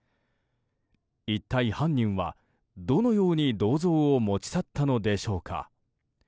一体、犯人はどのように銅像を持ち去ったのでしょうか。